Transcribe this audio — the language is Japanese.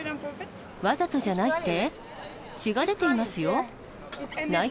わざとじゃないって？